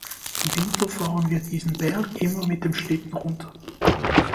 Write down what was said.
Im Winter fahren wir diesen Berg immer mit dem Schlitten runter.